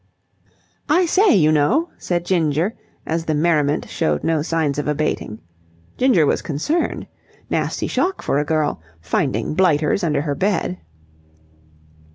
"I say, you know!" said Ginger, as the merriment showed no signs of abating. Ginger was concerned. Nasty shock for a girl, finding blighters under her bed.